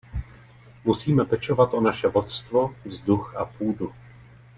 Musíme pečovat o naše vodstvo, vzduch a půdu.